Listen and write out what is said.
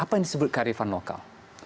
apa yang disebut kearifan lokal